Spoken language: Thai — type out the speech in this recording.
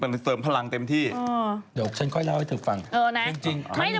นี่เขาลงเครียมไง